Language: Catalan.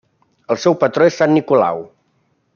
El seu patró és Sant Nicolau.